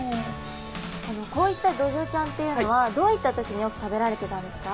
こういったドジョウちゃんっていうのはどういった時によく食べられてたんですか？